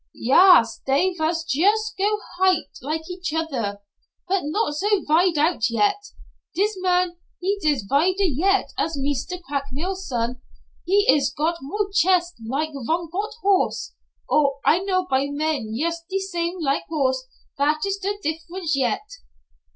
"Yas, dey vas yust so high like each other, but not so vide out yet. Dis man he iss vider yet as Meester Craikmile's son, he iss got more chest like von goot horse Oh, I know by men yust de same like horses vat iss der difference yet."